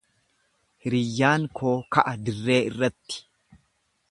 Hiriyyaan koo ka'a dirree irratti.